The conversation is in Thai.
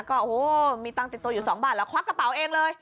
โอ้โหมีตังค์ติดตัวอยู่๒บาทแล้วควักกระเป๋าเองเลย